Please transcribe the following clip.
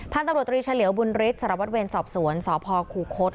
ท่านตำรวจตรีชะเหลวบุญฤทธิ์สระวัดเวียนสอบสวนสอบพครูโค้ด